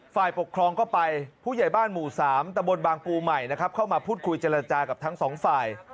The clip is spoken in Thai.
ฝ่ายปกครองเข้าไปผู้ใหญ่บ้านหมู่๓ตะบนบางปูใหม่เข้ามาพูดคุยจรรยาจากับทั้ง๒ฝ่าย